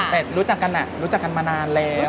แต่รู้จักกันรู้จักกันมานานแล้ว